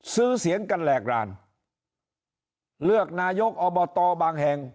ซื้อเสียงกันแหลกรานเลือกนายกอบตบางแห่ง